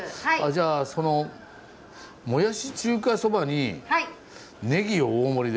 じゃあそのもやし中華そばにネギ大盛りで。